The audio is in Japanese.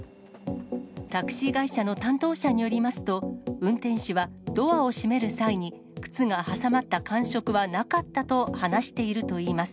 タクシー会社の担当者によりますと、運転手はドアを閉める際に、靴が挟まった感触はなかったと話しているといいます。